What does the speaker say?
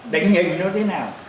định nhìn nó thế nào